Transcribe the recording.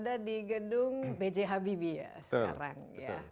ada di gedung bj habibie ya sekarang